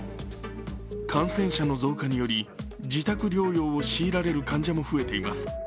感染者の増加により、自宅療養を強いられる患者も増えています。